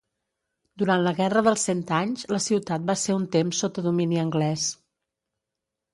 Durant la Guerra dels Cent Anys, la ciutat va ser un temps sota domini anglès.